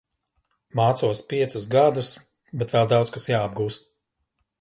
Mācos piecus gadus, bet vēl daudz kas jāapgūst.